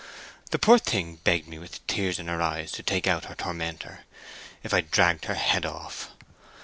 The poor thing begged me with tears in her eyes to take out her tormentor, if I dragged her head off.